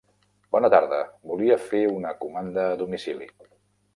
Bona tarda, volia fer una comanda a domicili.